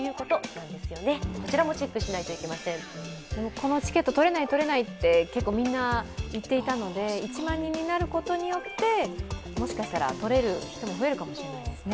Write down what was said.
このチケット、取れない取れないって結構みんな言っていたので１万人になることによってもしかしたら取れる人も増えるかもしれないですね。